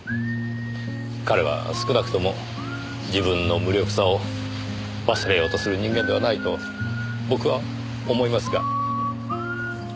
彼は少なくとも自分の無力さを忘れようとする人間ではないと僕は思いますが。